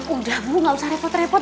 udah bu gak usah repot repot